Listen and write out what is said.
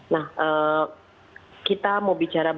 nah kita mau bicara